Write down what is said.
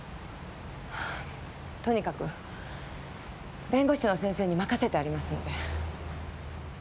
とにかく弁護士の先生に任せてありますので。